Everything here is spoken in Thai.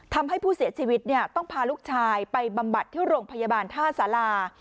ทำให้ผู้เสียชีวิตต้องพาลูกชายไปบำบัดที่โรงพยาบาลท่าสารา